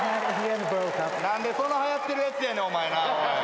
何でそんなはやってるやつやねんお前。